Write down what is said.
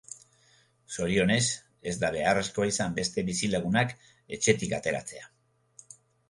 Zorionez, ez da beharrezkoa izan beste bizilagunak etxetik ateratzea.